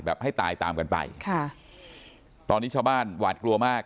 ให้ตายตามกันไปค่ะตอนนี้ชาวบ้านหวาดกลัวมาก